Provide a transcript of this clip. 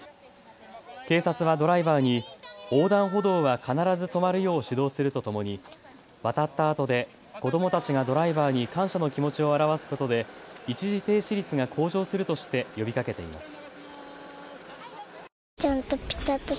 警察はドライバーに横断歩道は必ず止まるよう指導するとともに渡ったあとで子どもたちがドライバーに感謝の気持ちを表すことで一時停止率が向上するとして呼びかけています。